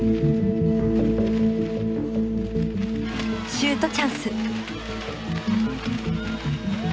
シュートチャンス。